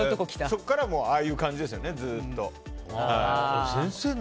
そこからもうああいう感じですよね。